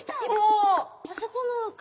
あそこの陰！